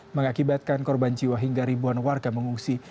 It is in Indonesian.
mengakibatkan korban jiwa hingga ribuan warga mengungsi